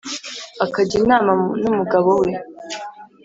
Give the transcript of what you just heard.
akajya inama nu mugabo we